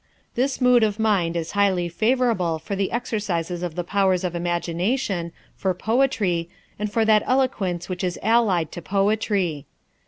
This mood of mind is highly favourable for the exercise of the powers of imagination, for poetry, and for that eloquence which is allied to poetry.